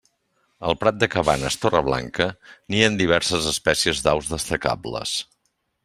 Al Prat de Cabanes-Torreblanca nien diverses espècies d'aus destacables.